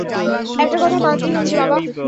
একটা কথা মানতেই হচ্ছে, বাবা।